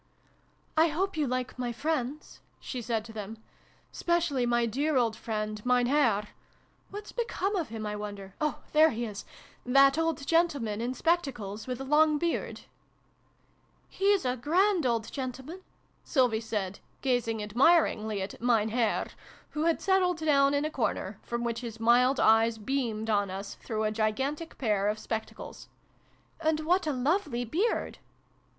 " I hope you like my friends ?" she said to them. " Specially my dear old friend, Mein Herr (What's become of him, I wonder ? Oh, there he is !), that old gentleman in spectacles, with a long beard ?"" He's a grand old gentleman !" Sylvie said, gazing admiringly at ' Mein Herr,' who had settled down in a corner, from which his mild eyes beamed on us through a gigantic pair of spectacles. " And what a lovely beard !